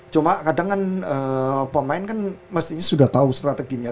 cuma kadang kan pemain kan mestinya sudah tahu strateginya